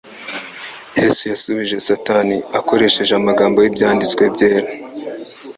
Yesu yasubije Satani akoresheje amagambo y'Ibyanditswe byera.